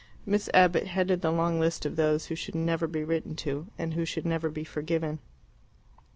Miss Abbott headed the long list of those who should never be written to, and who should never be forgiven.